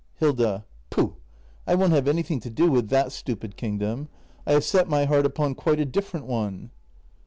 Hilda. Pooh! I won't have anything to do with that stu pid kingdom. I have set my heart upon quite a different one!